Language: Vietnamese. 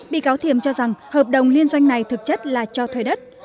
bị cáo thiềm cho rằng hợp đồng liên doanh này thực chất là cho thuê đất